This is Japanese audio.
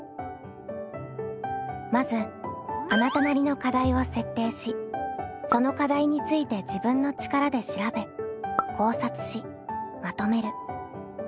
まずあなたなりの課題を設定しその課題について自分の力で調べ考察しまとめる。